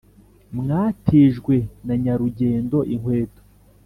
mwatijwe na nyarugendo inkweto